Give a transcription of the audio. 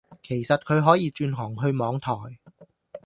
其實佢可以轉行去網台